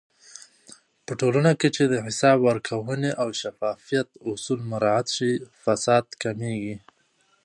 په ټولنه کې چې د حساب ورکونې او شفافيت اصول مراعات شي، فساد کمېږي.